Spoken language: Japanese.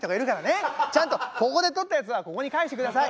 ちゃんとここで取ったやつはここに返してください。